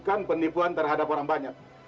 melakukan penipuan terhadap orang banyak